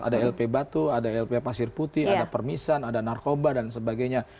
ada lp batu ada lp pasir putih ada permisan ada narkoba dan sebagainya